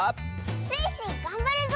「スイスイ！がんばるぞ」